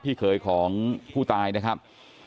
พี่เขยของผู้ตายนะครับ